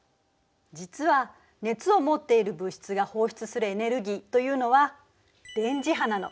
実は熱を持っている物質が放出するエネルギーというのは電磁波なの。